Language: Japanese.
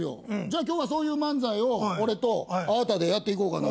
今日はそういう漫才を俺とあーたでやっていこう。